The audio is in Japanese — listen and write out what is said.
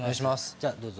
じゃあどうぞ。